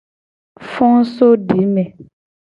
Fo so dime.